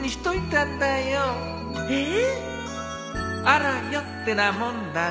あらよってなもんだぜ